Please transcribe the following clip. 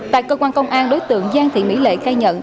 tại cơ quan công an đối tượng giang thị mỹ lệ khai nhận